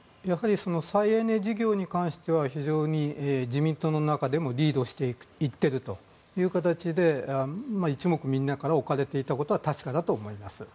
再エネ事業に関しては非常に自民党の中でもリードしていってるという形で一目、みんなから置かれていたことは確かだと思います。